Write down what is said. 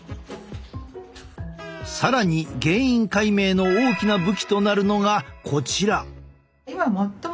更に原因解明の大きな武器となるのがこちら。